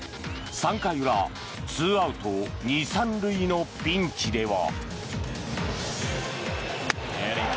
３回裏、２アウト２・３塁のピンチでは。